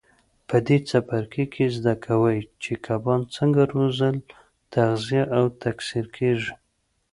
په دې څپرکي کې زده کوئ چې کبان څنګه روزل تغذیه او تکثیر کېږي.